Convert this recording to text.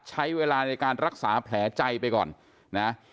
ใช้เวลาในการรักษาแผลใจไปก่อนนะ